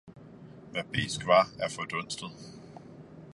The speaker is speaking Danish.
Hvad besk var er fordunstet.